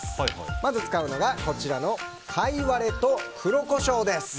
まず使うのがカイワレと黒コショウです。